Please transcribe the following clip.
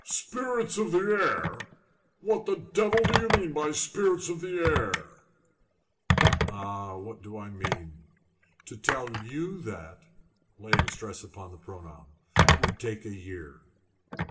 "Spirits of the air! What the devil do you mean by spirits of the air?" "Ah! what do I mean? To tell you that," laying a stress upon the pronoun, "would take a year."